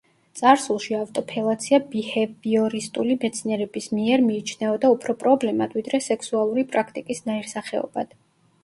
წარსულში ავტოფელაცია ბიჰევიორისტული მეცნიერების მიერ მიიჩნეოდა უფრო პრობლემად, ვიდრე სექსუალური პრაქტიკის ნაირსახეობად.